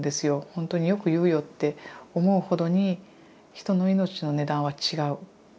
ほんとによく言うよ！って思うほどに人の命の値段は違う。